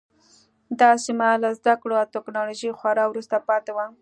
دا سیمه له زده کړو او ټکنالوژۍ خورا وروسته پاتې وه.